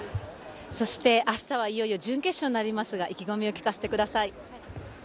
そして明日はいよいよ準決勝になりますが意気込みを聞かせてください。